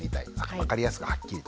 分かりやすくはっきりと。